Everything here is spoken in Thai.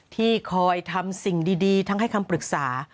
ที่คอยทำสิ่งดีทั้งให้คำปรึกษา